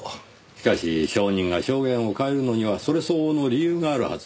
しかし証人が証言を変えるのにはそれ相応の理由があるはずです。